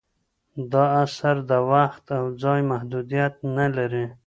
دا اثر د وخت او ځای محدودیت نه لري.